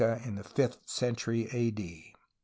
An in the fifth century A. D.